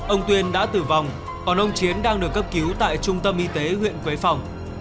ông tuyên đã tử vong còn ông chiến đang được cấp cứu tại trung tâm y tế huyện quế phòng